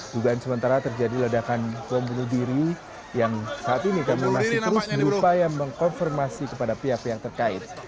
dugaan sementara terjadi ledakan bom bunuh diri yang saat ini kami masih terus berupaya mengkonfirmasi kepada pihak pihak terkait